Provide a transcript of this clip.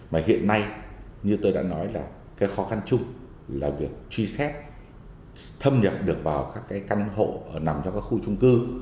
mà hiện nay như tôi đã nói là cái khó khăn chung là việc truy xét thâm nhập được vào các cái căn hộ nằm trong các khu trung cư